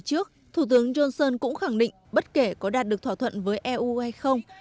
đất nước thủ tướng johnson cũng khẳng định bất kể có đạt được thỏa thuận với eu hay không